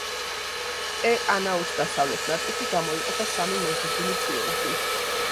ტე-ანაუს დასავლეთ ნაწილში გამოიყოფა სამი მოზრდილი ფიორდი.